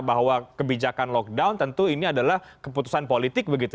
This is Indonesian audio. bahwa kebijakan lockdown tentu ini adalah keputusan politik begitu